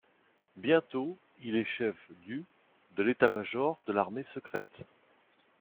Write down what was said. Bientôt, il est chef du de l'état-major de l'Armée secrète.